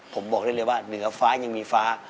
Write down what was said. ผมบอกได้เลยว่าเหนือฟ้ายังมีฟ้า